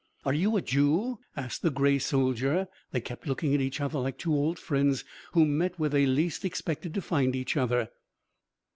"Are you a Jew?" asked the grey soldier. They kept looking at each other like two old friends who met where they least expected to find each other.